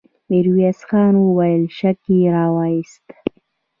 ميرويس خان وويل: شک يې واخيست!